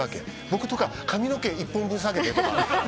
僕とか「髪の毛１本分下げて」とか。